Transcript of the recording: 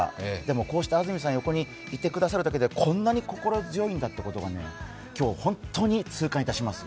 こうして安住さんが横にいてくださるだけでこんなに心強いんだってことが今日、本当に痛感いたします。